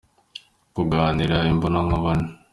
kuganira imbonankubone.